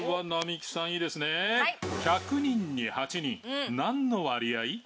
「１００人に８人」なんの割合？